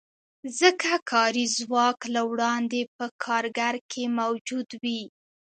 ځکه کاري ځواک له وړاندې په کارګر کې موجود وي